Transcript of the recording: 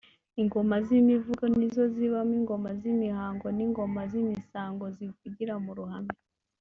Ingoma z’imivugo nizo zibamo Ingoma z’imihango n’Ingoma z’imisango zivugira mu ruhame